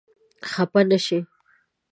خپه نه شې؟